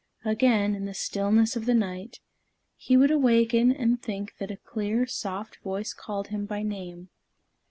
Again, in the stillness of the night, he would awaken and think that a clear soft voice called him by name.